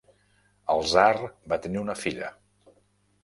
El tsar va tenir una filla.